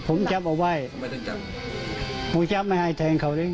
ผมจับเอาไว้ผมจับไม่ให้แทนเขาเลย